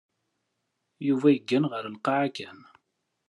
Yuba yeggan ɣer lqaɛa kan.